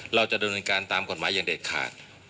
เราจะดำเนินการตามกฎหมายอย่างเด็ดขาด